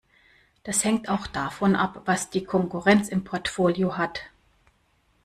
Das hängt auch davon ab, was die Konkurrenz im Portfolio hat.